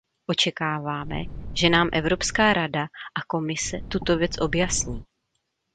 Očekáváme, že nám Evropská rada a Komise tuto věc objasní.